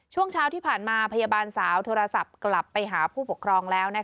ช่วงเช้าที่ผ่านมาพยาบาลสาวโทรศัพท์กลับไปหาผู้ปกครองแล้ว